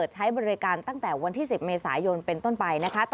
ใช้บริการตั้งแต่วันที่๑๐เมษายนเป็นต้นไปนะคะ